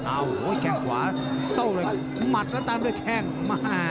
โอ้โหแข้งขวาโต้เลยหมัดแล้วตามด้วยแข้ง